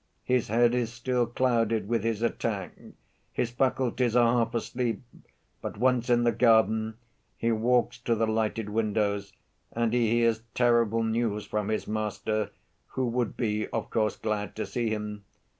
His head is still clouded with his attack, his faculties are half asleep; but, once in the garden, he walks to the lighted windows and he hears terrible news from his master, who would be, of course, glad to see him.